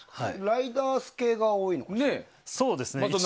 ライダース系が多い。